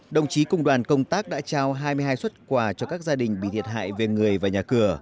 đồng chí cùng đoàn công tác đã trao hai mươi hai xuất quà cho các gia đình bị thiệt hại về người và nhà cửa